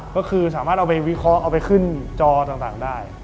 ก็คือสามารถเอาไปวิเคราะห์เอาไปขึ้นจอต่างได้